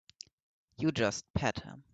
You just pat him.